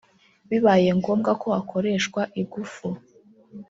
bibayengombwa ko hakoreshwa igufu